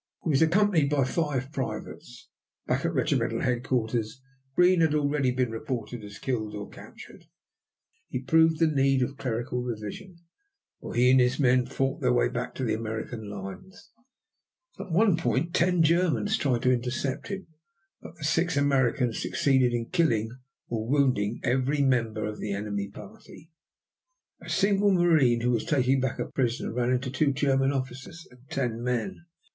He was accompanied by five privates. Back at regimental headquarters Green had already been reported as killed or captured. He proved the need of clerical revision, for he and his men fought their way back to the American lines. At one point ten Germans tried to intercept him, but the six Americans succeeded in killing or wounding every member of the enemy party. A single marine who was taking back a prisoner ran into two German officers and ten men.